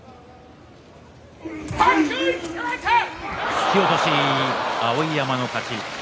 引き落とし、碧山の勝ち。